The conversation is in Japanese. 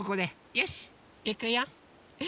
よしいくよ！